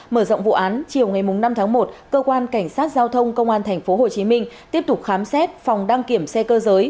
mở rộng vụ án chiều ngày năm tháng một cơ quan cảnh sát giao thông công an tp hcm tiếp tục khám xét phòng đăng kiểm xe cơ giới